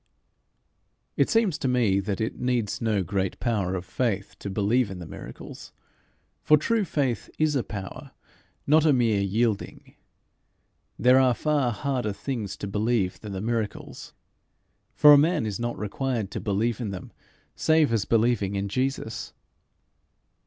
It seems to me that it needs no great power of faith to believe in the miracles for true faith is a power, not a mere yielding. There are far harder things to believe than the miracles. For a man is not required to believe in them save as believing in Jesus.